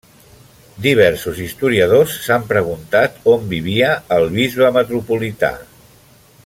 Diversos historiadors s'han preguntat on vivia el bisbe metropolità.